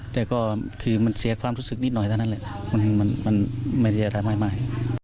แต่ก็คือมันเสียความรู้สึกนิดหน่อยเท่านั้นแหละมันไม่ได้อะไรมาก